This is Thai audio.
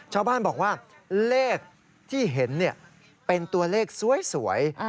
ชาวบ้านบอกว่าเลขที่เห็นเป็นตัวเลขสวย